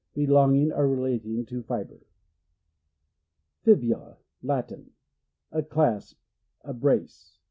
Be longing or relating to fibre. Fibula. — Latin. A clasp, a brace.